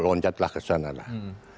loncatlah ke sana lah